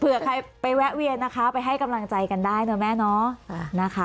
เผื่อใครไปแวะเวียนนะคะไปให้กำลังใจกันได้เนอะแม่น้ออ่านะคะ